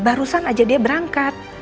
barusan ajak dia berangkat